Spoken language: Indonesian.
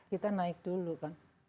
kita naik dulu kan